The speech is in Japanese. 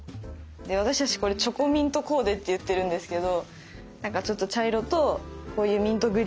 で私たちこれチョコミントコーデって言ってるんですけどなんかちょっと茶色とこういうミントグリーンを合わせるとか。